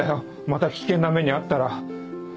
また危険な目に遭ったら。